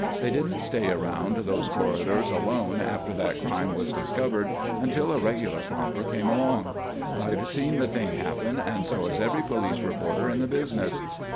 They didn't stay around those corridors alone after that crime was discovered until a regular copper came along. I've seen the thing happen and so has every police reporter in the business."